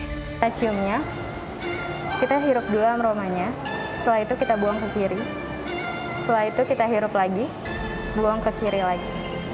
kita ciumnya kita hirup dulu aromanya setelah itu kita buang ke kiri setelah itu kita hirup lagi buang ke kiri lagi